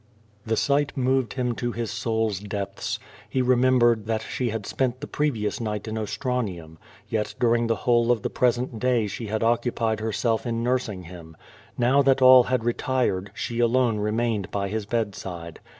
The sight moved him to his souFs depths. He remem bered that she had spent the previous night in Ostranium. Yet during the whole of the present day she had occupied her self in nursing him. Xow that all had retired, she alone re mained by his bedside.